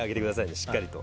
しっかりと。